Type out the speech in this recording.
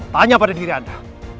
tanya pada diri anda